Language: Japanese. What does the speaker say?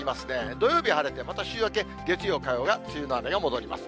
土曜日晴れて、また週明け月曜、火曜が梅雨の雨が戻ります。